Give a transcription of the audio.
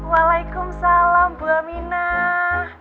waalaikumsalam bu aminah